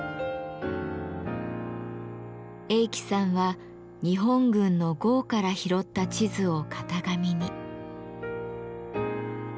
栄喜さんは日本軍の壕から拾った地図を型紙に。